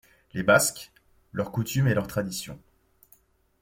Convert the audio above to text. Les Basques, leurs coutumes et leurs traditions.